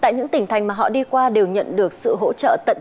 tại những tỉnh thành mà họ đi qua đều nhận được sự hỗ trợ tận tượng